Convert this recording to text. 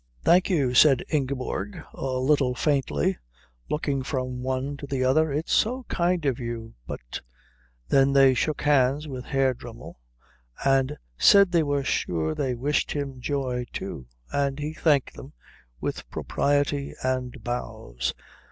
"Thank you," said Ingeborg a little faintly, looking from one to the other, "it's so kind of you but " They then shook hands with Herr Dremmel and said they were sure they wished him joy, too, and he thanked them with propriety and bows.